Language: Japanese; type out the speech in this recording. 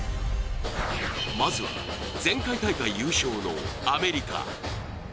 まずは、前回大会優勝のアメリカ。